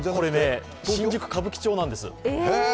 新宿・歌舞伎町なんです。